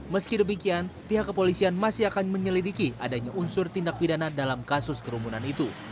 meski demikian pihak kepolisian masih akan menyelidiki adanya unsur tindak pidana dalam kasus kerumunan itu